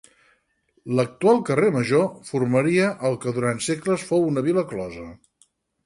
L'actual Carrer Major formaria el que durant segles fou una vila closa.